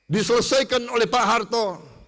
diselesaikan oleh pak harto